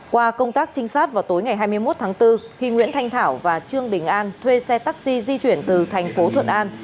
qua công tác trinh sát vào tối ngày hai mươi một tháng bốn khi nguyễn thanh thảo và trương đình an thuê xe taxi di chuyển từ thành phố thuận an